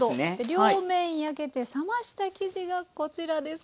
両面焼けて冷ました生地がこちらです。